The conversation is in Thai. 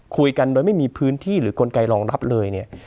คุยกันโดยไม่มีพื้นที่หรือกลไกรองรับเลยเนี่ย